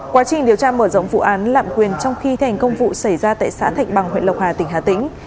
quá trình điều tra mở rộng vụ án lạm quyền trong khi thành công vụ xảy ra tại xã thạch bằng huyện lộc hà tỉnh hà tĩnh